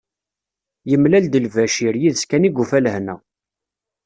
Yemlal-d Lbacir, yid-s kan i yufa lehna.